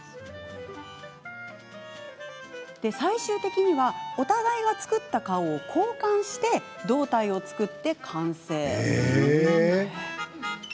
最終的には、お互いが作った顔を交換して、胴体を作って完成。